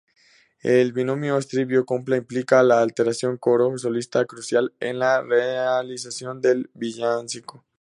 El binomio estribillo-copla implica la alternancia coro-solista, crucial en la realización del villancico.